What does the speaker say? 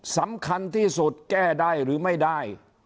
สำคัญที่สุดแก้ได้หรือไม่ได้